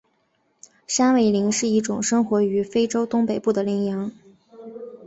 山苇羚是一种生活于非洲东北部的羚羊。